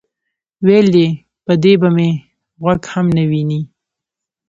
ویل یې: په دې به مې غوږ هم نه وینئ.